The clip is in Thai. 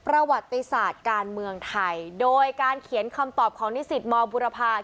ประวัติศาสตร์การเมืองไทยโดยการเขียนคำตอบของนิสิตมบุรพา